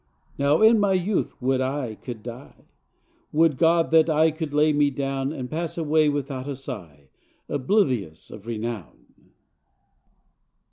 Now in my youth would I could die! Would God that I could lay me down And pass away without a sigh, Oblivious of renown!